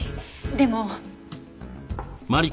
でも。